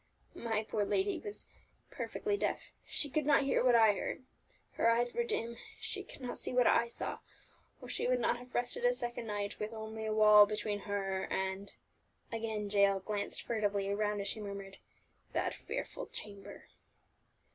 "My poor dear lady was perfectly deaf, she could not hear what I heard; her eyes were dim, she could not see what I saw, or she would not have rested a second night with only a wall between her and" again Jael glanced furtively around as she murmured "that fearful chamber!"